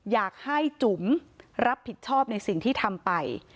อยากให้จุ๋มรับผิดชอบในสิ่งที่ทำไป